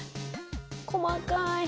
細かい。